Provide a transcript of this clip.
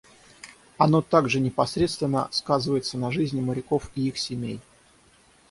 Оно также непосредственно сказывается на жизни моряков и их семей.